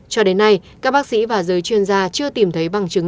cho đến nay các bác sĩ và giới chuyên gia chưa tìm thấy bằng chứng